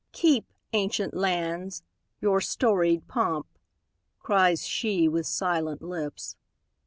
"Keep, ancient lands, your storied pomp!" cries sheWith silent lips.